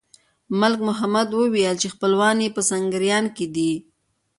ملک محمد وویل چې خپلوان یې په سینګران کې دي.